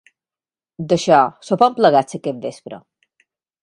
D'això, sopem plegats aquest vespre.